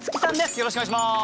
よろしくお願いします。